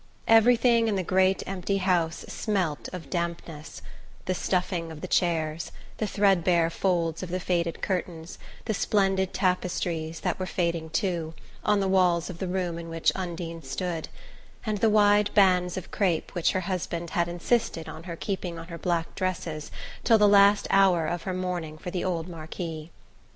Everything in the great empty house smelt of dampness: the stuffing of the chairs, the threadbare folds of the faded curtains, the splendid tapestries, that were fading too, on the walls of the room in which Undine stood, and the wide bands of crape which her husband had insisted on her keeping on her black dresses till the last hour of her mourning for the old Marquis.